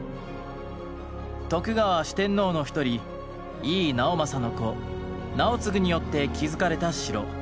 徳川四天王の一人井伊直政の子直継によって築かれた城。